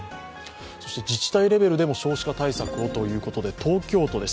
自治体レベルでも少子化対策をということで、東京都です。